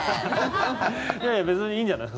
いやいや別にいいんじゃない？